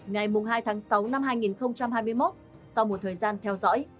ngày hai tháng sáu năm hai nghìn hai mươi một sau một thời gian theo dõi